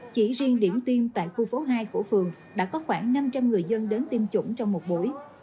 chỉ riêng điểm tiêm tại khu phố hai của phường đã có khoảng năm trăm linh người dân đến tiêm chủng trong một buổi